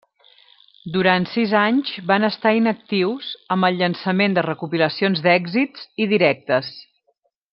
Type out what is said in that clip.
Durant sis anys van estar inactius, amb el llançament de recopilacions d'èxits i directes.